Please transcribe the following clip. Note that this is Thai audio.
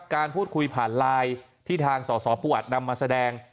การพูดคุยผ่านไลน์ที่ทางสสปูอัดนำมาแสดง